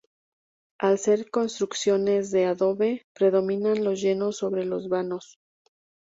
Al ser construcciones de adobe, predominan los llenos sobre los vanos.